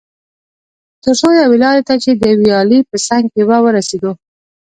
تر څو یوې لارې ته چې د ویالې په څنګ کې وه ورسېدو.